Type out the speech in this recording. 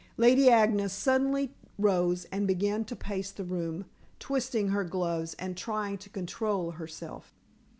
Lady Agnes suddenly rose and began to pace the room, twisting her gloves and trying to control herself.